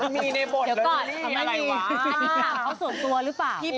ไม่มีในบทเลยนี่ทำอะไรวะอาจารย์เขาส่วนตัวหรือเปล่าเนี่ยเนอะ